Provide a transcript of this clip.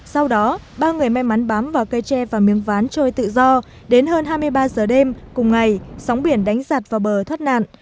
sau đó ba người may mắn bám vào cây tre và miếng ván trôi tự do đến hơn hai mươi ba giờ đêm cùng ngày sóng biển đánh giặt vào bờ thoát nạn